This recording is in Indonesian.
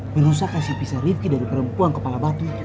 menusahkan si pisah rifki dari perempuan kepala batu